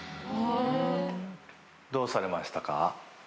「どうされましたか？」